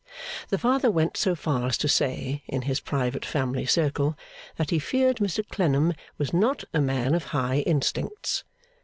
The father went so far as to say, in his private family circle, that he feared Mr Clennam was not a man of high instincts.